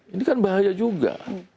ini kan bahaya juga